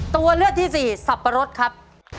ตัวเลือกที่สี่สับปะรดครับ